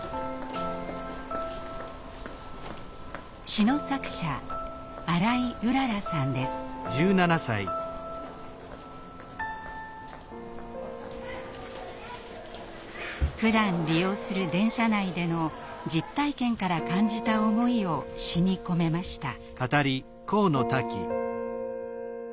詩の作者ふだん利用する電車内での実体験から感じた思いを詩に込めました。